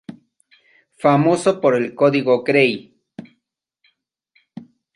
Famoso por el Código Gray.